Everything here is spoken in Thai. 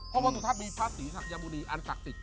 เพราะวัดสุธัศน์มีพระศรีศักยบุรีอันศักดิ์สิทธิ์